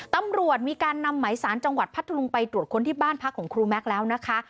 ตำรวจมีการนำหมายสารจังหวัดพัทธลุงไปตรวจค้นที่บ้านพักของครูแม็กซ์แล้วนะคะ